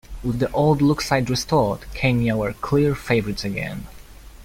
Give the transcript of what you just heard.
With the old-look side restored, Kenya were clear favourites again.